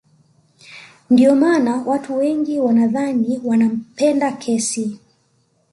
Ndio maana watu wengine wanadhani wanapenda kesi